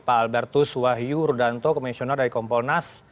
pak albertus wahyu rudanto komisioner dari kompolnas